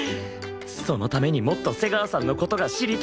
そのためにもっと瀬川さんの事が知りたい！